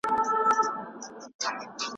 که نوې ميرمن ثيبه وه، نو هغې ته دي اختيار ورکړي.